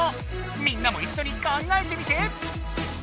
みんなもいっしょに考えてみて！